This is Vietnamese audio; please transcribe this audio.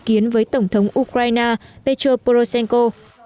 kiến với tổng thống ukraine petro poroshenko